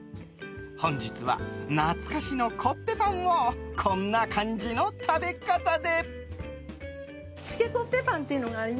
本日は懐かしのコッペパンをこんな感じの食べ方で。